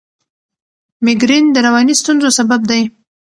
مېګرین د رواني ستونزو سبب دی.